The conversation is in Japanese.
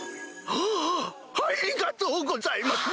ありがとうございます！